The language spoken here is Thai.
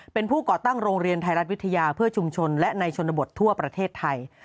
เป็นผู้ก่อตั้งโรงเรียนไทยรัฐวิทยาเพื่อชุมชนและในชนบททั่วประเทศไทย